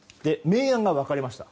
明暗が分かれました。